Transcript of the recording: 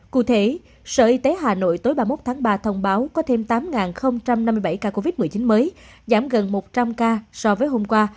cụ thể sở y tế hà nội tối ba mươi một tháng ba thông báo có thêm tám năm mươi bảy ca covid một mươi chín mới giảm gần một trăm linh ca so với hôm qua